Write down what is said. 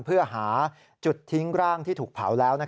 เพื่อหาจุดทิ้งร่างที่ถูกเผาแล้ว